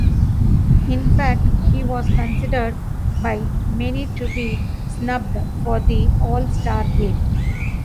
In fact, he was considered by many to be snubbed for the All-Star game.